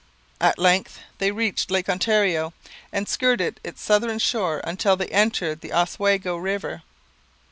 At length they reached Lake Ontario and skirted its southern shore until they entered the Oswego river.